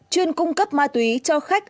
chuyên cung cấp ma túy cho khách